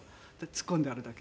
突っ込んであるだけで。